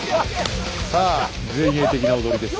さあ前衛的な踊りです。